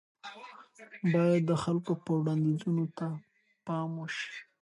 بايد د خلکو وړانديزونو ته پام وشي.